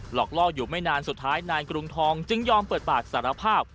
อกล่ออยู่ไม่นานสุดท้ายนายกรุงทองจึงยอมเปิดปากสารภาพ